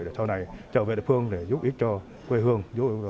để sau này trở về địa phương để giúp ích cho quê hương